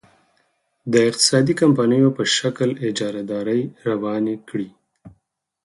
د اقتصادي کمپنیو په شکل اجارادارۍ روانې کړي.